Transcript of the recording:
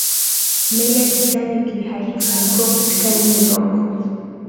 meli ya titanic haikufanikiwa kufika new york